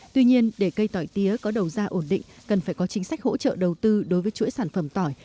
tuy nhiên để cây tỏi tía có đầu ra ổn định cần phải có chính sách hỗ trợ đầu tư đối với chuỗi sản phẩm tỏi